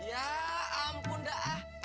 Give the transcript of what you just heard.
ya ampun dah